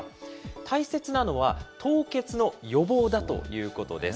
大切なのは、凍結の予防だということです。